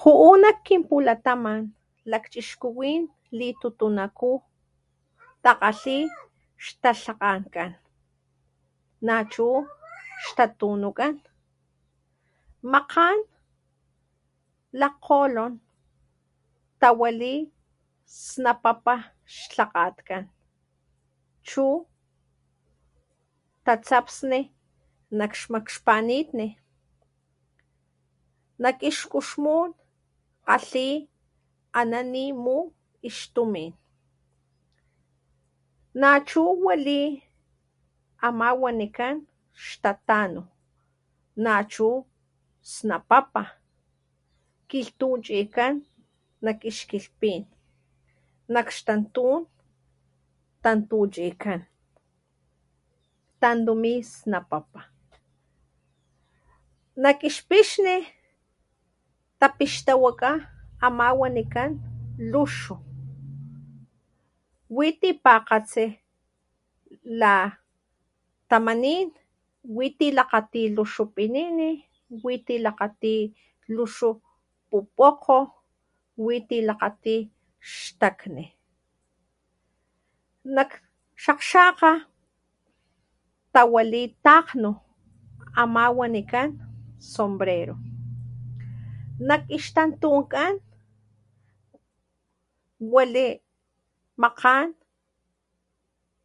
Ju'u nak kin pulataman lakchixkuwin litutunakú takgalhi xtalhakgankan nachu xtatunukan makgan lajkgolon tawali snapapa xlhakgatkan chu tatsapsni nak xmakxpanitni, nak ix kuxmun kgalhi a na nimu ixtumin nachu wali ama wanikan xtatanu, nachu snapapa kilhtuchikan nak ix kilhpin, nak xtantun tantuchikan, tantumisnapapa, nak ix pixni tapixtawaka ama wanikan luxu, wi tipakgatsi latamanin witi lakgati luxu pinini, witi lakgati luxu pupokgo, witi lakgati xtakni. Nak xakgxakga tawali takgnu ama wanikan sombrero nak ix tantunkan wali makgan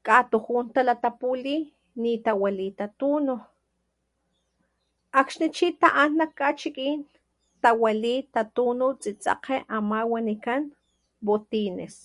katujun talatapuli ni tawali tatunu, akxni chi ta'an nak kachikin tawali tatunu tsitsekge ama wanikan botines.